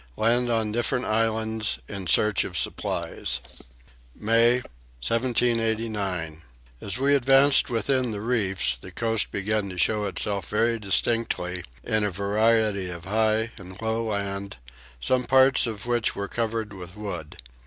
Land on different Islands in search of Supplies. May 1789. As we advanced within the reefs the coast began to show itself very distinctly in a variety of high and low land, some parts of which were covered with wood.